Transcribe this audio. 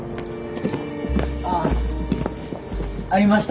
あありました。